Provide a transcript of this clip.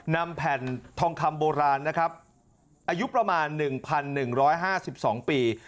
นำแผ่นทองคำโบราณนะครับอายุประมาณ๑๑๕๒ปี